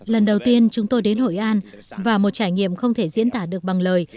lần đầu tiên chúng tôi đến hội an và một trải nghiệm không thể diễn tả được bằng lời